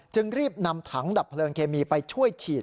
จึงรีบนำถังดับเพลิงเคมีไปช่วยฉีด